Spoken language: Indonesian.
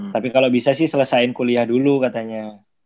tapi kalo bisa sih selesain kuliah dulu katanya